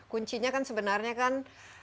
kuncinya kan sebenarnya kan